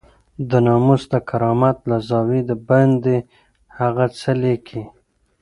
د ناموس د کرامت له زاويې دباندې هغه څه ليکي.